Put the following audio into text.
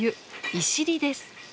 「いしり」です。